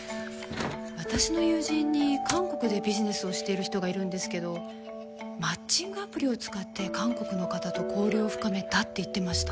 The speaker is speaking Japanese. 私の友人に韓国でビジネスをしてる人がいるんですけどマッチングアプリを使って韓国の方と交流を深めたって言ってました。